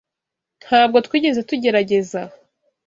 Ntabwo twigeze tugerageza